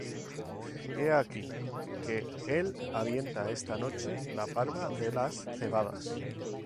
He aquí que él avienta esta noche la parva de las cebadas.